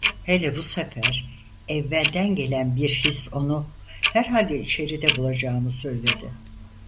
Hele bu sefer, evvelden gelen bir his onu herhalde içeride bulacağımı söyledi.